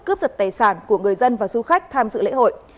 cướp giật tài sản của người dân và du khách tham dự lễ hội